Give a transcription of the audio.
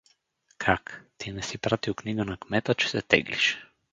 — Как, ти не си пратил книга на кмета, че се теглиш?